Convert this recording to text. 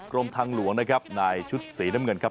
กรมทางหลวงนะครับนายชุดสีน้ำเงินครับ